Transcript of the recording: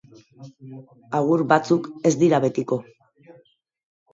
Agur batzuk ez dira betiko.